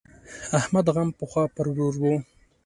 احمد غم پخوا پر ورور وو.